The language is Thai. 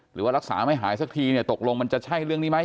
หรือว่ารักษาไม่หายสักทีเนี่ยตกลงมันจะใช่เรื่องนี้ไหม